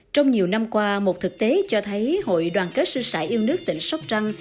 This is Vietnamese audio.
trong nhiều năm qua một thực tế cho thấy hội đoàn kết sư sải yêu nước tỉnh sóc trăng